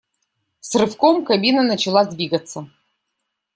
С рывком кабина начала двигаться.